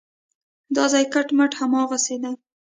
دا ځای کټ مټ هماغسې دی.